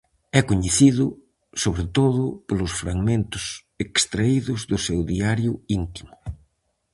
É coñecido, sobre todo, polos fragmentos extraídos do seu Diario íntimo.